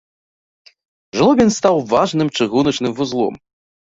Жлобін стаў важным чыгуначным вузлом.